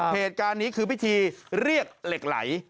เหตุการณ์นี้คือพิธีเรียกเหล็กไหล